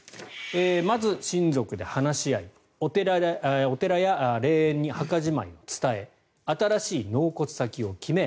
まず親族で話し合いお寺や霊園に墓じまいを伝え新しい納骨先を決め